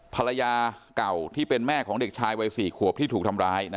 ภรรยาเก่าที่เป็นแม่ของเด็กชายวัย๔ขวบที่ถูกทำร้าย